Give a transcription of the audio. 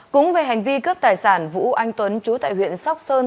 cũng về hành vi cướp tài sản vũ anh tuấn chú tại huyện sóc sơn